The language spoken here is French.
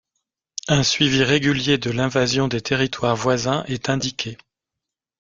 Un suivi régulier de l'invasion des territoires voisins est indiqué.